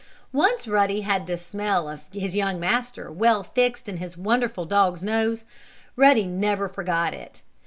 Once Ruddy had this smell of his young master well fixed in his wonderful dog's nose, Ruddy never forgot it.